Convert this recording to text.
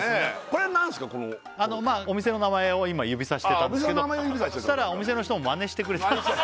これ何すかこのお店の名前を今指さしてたんですけどしたらお店の人もまねしてくれたんです